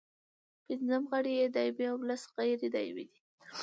پنځه غړي یې دایمي او لس غیر دایمي دي.